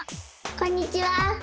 こんにちは！